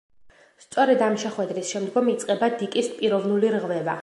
სწორედ ამ შეხვედრის შემდგომ იწყება დიკის პიროვნული რღვევა.